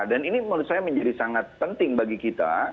dan ini menurut saya menjadi sangat penting bagi kita